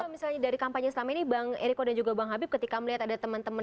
kalau misalnya dari kampanye selama ini bang eriko dan juga bang habib ketika melihat ada teman teman